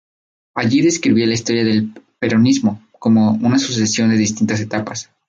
Allí describía la historia del peronismo como una sucesión de distintas etapas.